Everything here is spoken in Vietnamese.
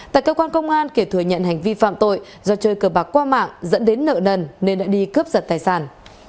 tại cơ quan công an kiệt thừa nhận hành vi phạm tội do chơi cờ bạc qua mạng dẫn đến nợ nần nên đã đi cướp giật tài sản